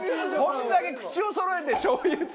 こんだけ口をそろえてしょうゆって。